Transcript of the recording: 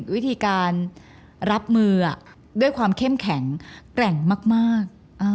วิธีการรับมือด้วยความเข้มแข็งแกร่งมาก